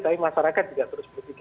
tapi masyarakat juga terus berpikir